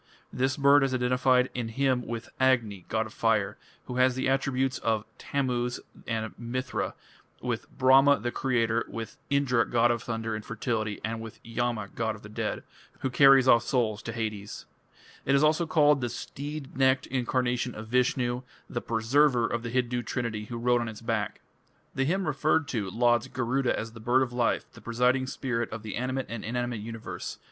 This bird is identified in a hymn with Agni, god of fire, who has the attributes of Tammuz and Mithra, with Brahma, the creator, with Indra, god of thunder and fertility, and with Yama, god of the dead, who carries off souls to Hades. It is also called "the steed necked incarnation of Vishnu", the "Preserver" of the Hindu trinity who rode on its back. The hymn referred to lauds Garuda as "the bird of life, the presiding spirit of the animate and inanimate universe ...